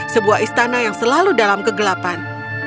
sebuah istana yang selalu dalam kegelapan